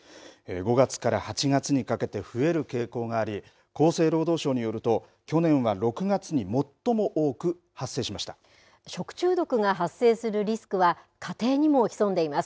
５月から８月にかけて増える傾向があり厚生労働省によると去年は６月に食中毒が発生するリスクは家庭にも潜んでいます。